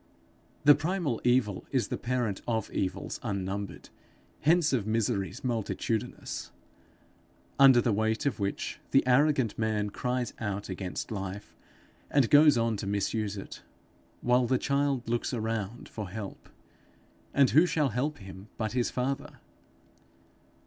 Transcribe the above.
This primal evil is the parent of evils unnumbered, hence of miseries multitudinous, under the weight of which the arrogant man cries out against life, and goes on to misuse it, while the child looks around for help and who shall help him but his father!